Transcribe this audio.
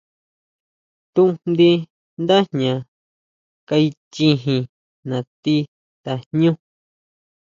Tujndi nda jña kaichijin nati tajñú.